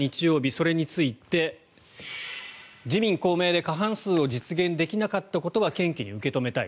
それについて自民・公明で過半数を実現できなかったことは謙虚に受け止めたい。